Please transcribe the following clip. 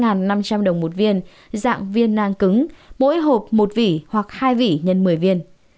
giá thuốc monopiravir hai trăm linh mg dạng viên năng cứng mỗi hộp một vỉ hoặc hai vỉ x một mươi viên